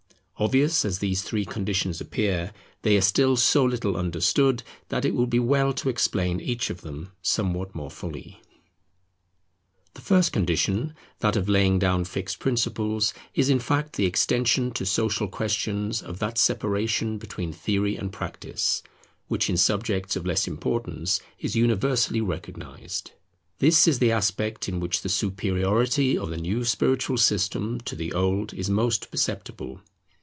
Obvious as these three conditions appear, they are still so little understood, that it will be well to explain each of them somewhat more fully. The first condition, that of laying down fixed principles, is, in fact, the extension to social questions of that separation between theory and practice, which in subjects of less importance is universally recognized. This is the aspect in which the superiority of the new spiritual system to the old is most perceptible.